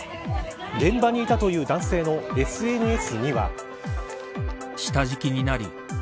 現場にいたという男性のＳＮＳには。